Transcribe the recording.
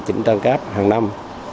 chỉnh trang cáp hàng năm